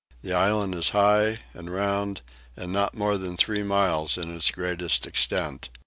The island is high and round and not more than three miles in its greatest extent.